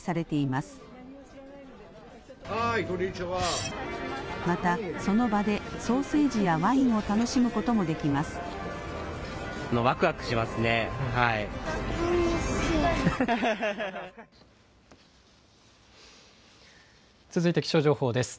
またその場でソーセージやワインを楽しむこともできます。